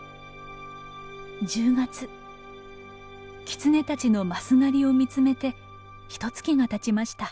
キツネたちのマス狩りを見つめてひとつきがたちました。